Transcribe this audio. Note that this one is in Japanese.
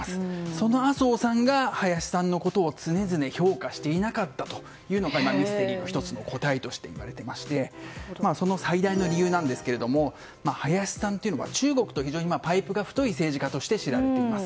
その麻生さんが林さんのことを常々評価していなかったということがミステリーの１つの答えとして言われていましてその最大の理由が、林さんは中国と非常にパイプが太い政治家として知られています。